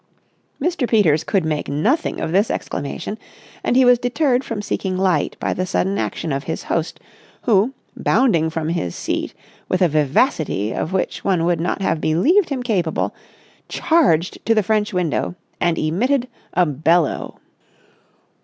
Mr. Peters could make nothing of this exclamation, and he was deterred from seeking light by the sudden action of his host, who, bounding from his seat with a vivacity of which one would not have believed him capable, charged to the French window and emitted a bellow.